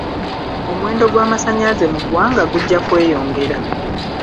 Omuwendo gw'amasannyalaze mu ggwanga gujja kweyongera.